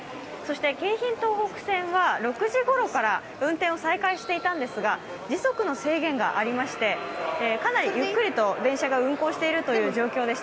京浜東北線は６時ごろから運転を再開していたんですが時速の制限がありまして、かなりゆっくりと電車が運行しているという状況です。